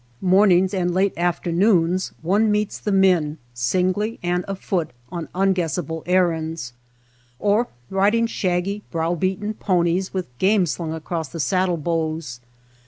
Mornings and late afternoons one meets 154 I THE MESA TRAIL the men singly and afoot on unguessable er rands, or riding shaggy, browbeaten ponies, with game slung across the saddle bows.